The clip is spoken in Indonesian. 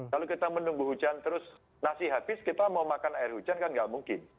kalau kita menunggu hujan terus nasi habis kita mau makan air hujan kan nggak mungkin